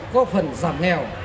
có phần giảm nghèo